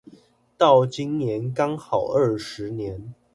到今年剛好二十年